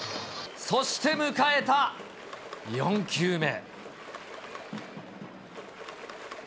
そして、迎えた４球目。